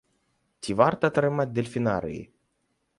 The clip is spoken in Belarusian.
Ці варта трымаць дэльфінарыі?